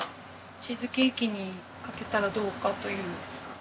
チーズケーキにかけたらどうかという。